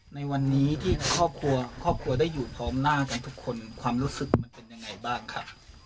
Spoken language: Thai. ในวันนี้ที่ครอบครัวครอบครัวได้อยู่พร้อมหน้ากันทุกคนความรู้สึกมันเป็นยังไงบ้างครับ